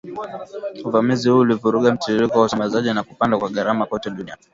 Uvamizi huu ulivuruga mtiririko wa usambazaji na kupanda kwa gharama kote duniani